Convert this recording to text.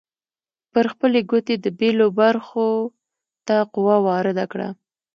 پر خپلې ګوتې د بیلو برخو ته قوه وارده کړئ.